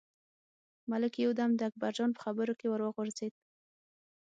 ملک یو دم د اکبرجان په خبرو کې ور وغورځېد.